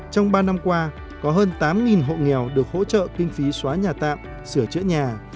trong ba năm qua có hơn tám hộ nghèo được hỗ trợ kinh phí xóa nhà tạm sửa chữa nhà